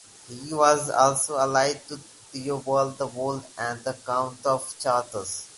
He was also allied to Theobald the Old, the count of Chartres.